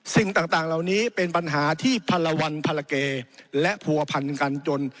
สิ่งต่างเหล่านี้เป็นปัญหาที่พลวันพลเกและผัวพันกันจน